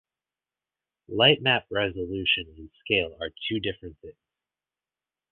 Lightmap resolution and scale are two different things.